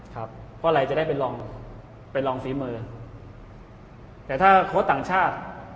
ครับเพราะอะไรจะได้เป็นรองเป็นรองฝีมือแต่ถ้าโค้ดต่างชาติ